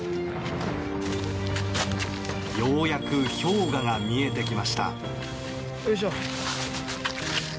ようやく氷河が見えてきました。